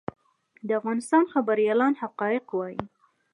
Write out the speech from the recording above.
د افغانستان خبریالان حقایق وايي